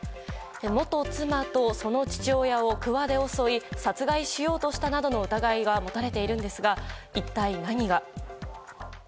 元妻と、その父親をくわで襲い殺害しようとしたなどの疑いが持たれているんですが一体何が。